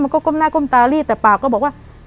ก็ก้มหน้าก้มตารีดแต่ปากก็บอกว่า